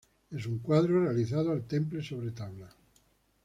Es un cuadro realizado al temple sobre tabla.